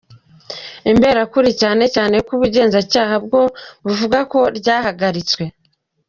Imberakuri cyane cyane ko ubugenzacyaha bwo buvuga ko ryahagaritswe.